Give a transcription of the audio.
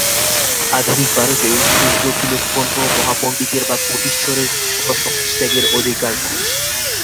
আধুনিক ভারতে শূদ্রকুলোৎপন্ন মহাপণ্ডিতের বা কোটীশ্বরের স্বসমাজত্যাগের অধিকার নাই।